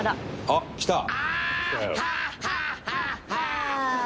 あっきた！